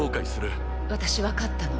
私分かったの。